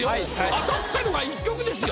当たったのが１曲ですよ。